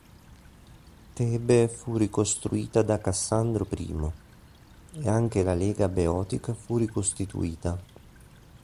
Tebe fu ricostruita da Cassandro I; e anche la lega beotica fu ricostituita.